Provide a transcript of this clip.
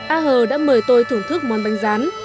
a hờ đã mời tôi thưởng thức món bánh rán